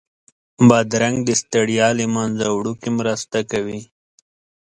بادرنګ د ستړیا له منځه وړو کې مرسته کوي.